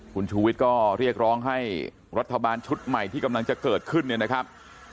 คุณชูวิทย์ก็เรียกร้องให้รัฐบาลชุดใหม่ที่กำลังจะเกิดขึ้นเนี่ยนะครับ